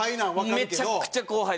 めちゃくちゃ後輩です。